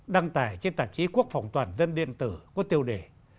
đăng tải trên tạp chí quốc phòng toàn dân điện tử có tiêu đề